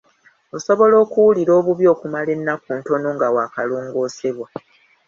Osobola okuwulira obubi okumala ennaku ntono nga waakalongoosebwa.